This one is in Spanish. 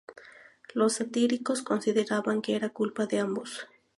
Los satíricos consideraban que era culpa de ambos.